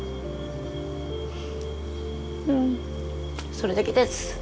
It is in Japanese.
それだけです。